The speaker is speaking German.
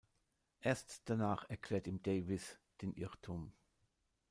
Erst danach erklärt ihm Davies den Irrtum.